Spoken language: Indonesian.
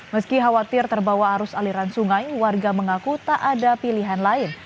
meski khawatir terbawa arus aliran sungai warga mengaku tak ada pilihan lain